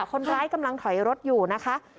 คนร้ายกำลังถอยรถอยู่นะคะ